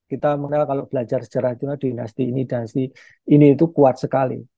kita mengenal kalau belajar sejarah china dinasti ini dan dinasti itu kuat sekali